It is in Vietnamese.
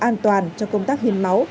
an toàn cho công tác hiên máu